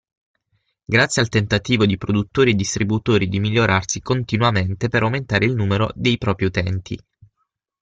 Grazie al tentativo di produttori e distributori di migliorarsi continuamente per aumentare il numero dei propri utenti.